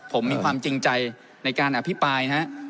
ผมมีความจริงใจในการอภิปรายนะฮะ